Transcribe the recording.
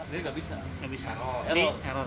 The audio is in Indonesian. tidak bisa error